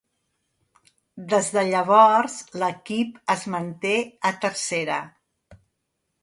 Des de llavors, l'equip es manté a Tercera.